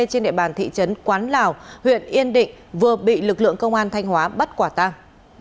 trên địa bàn thị trấn quán lào huyện yên định vừa bị lực lượng công an thanh hóa bắt quả tang